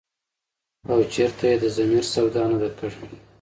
او چرته ئې د ضمير سودا نه ده کړې ۔”